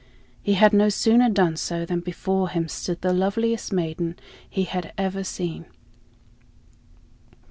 He had no sooner done so than before him stood the loveliest maiden he had ever seen.